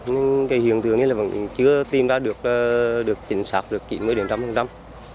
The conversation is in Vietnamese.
nhưng cái hiện tượng này vẫn chưa tìm ra được chính xác được kỹ nguyện đảm bằng nắm